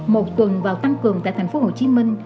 một tuần vào tăng cường tại thành phố hồ chí minh